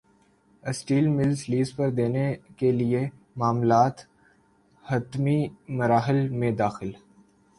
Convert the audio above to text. steel mills lease پر دینے کیلئے معاملات حتمی مراحل میں داخل